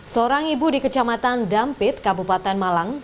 seorang ibu di kecamatan dampit kabupaten malang